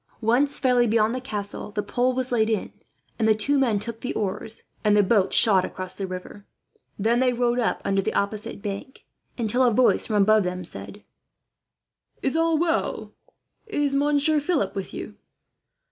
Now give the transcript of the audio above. Once fairly beyond the castle, the pole was laid in and the two men took the oars, and the boat shot across the river. Then they rowed up under the opposite bank, until a voice from above them said: "Is all well is Monsieur Philip with you?"